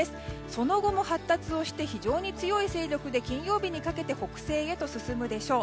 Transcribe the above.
その後も発達をして非常に強い勢力で金曜日にかけて北西へと進むでしょう。